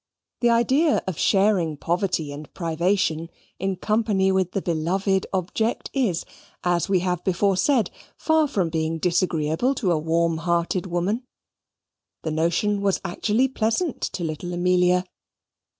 The idea of sharing poverty and privation in company with the beloved object is, as we have before said, far from being disagreeable to a warm hearted woman. The notion was actually pleasant to little Amelia.